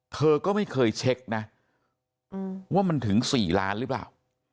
เธอก็ไม่เคยเช็คนะว่ามันถึง๔ล้านหรือเปล่า